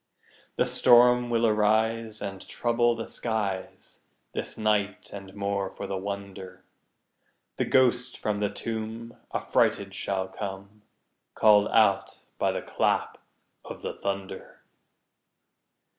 The storm will arise, And trouble the skies This night; and, more for the wonder, The ghost from the tomb Affrighted shall come, Call'd out by the clap of the thunder.